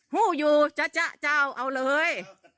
หู้อยู่จ๊ะเจ้าเอาเลย